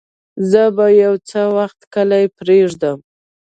زه به يو څه وخت کلی پرېږدم.